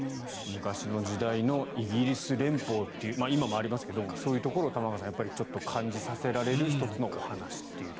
昔の時代のイギリス連邦という今もありますけどそういうところを感じさせる１つのお話と。